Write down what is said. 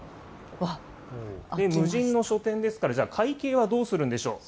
無人の書店ですから、会計はどうするんでしょうか。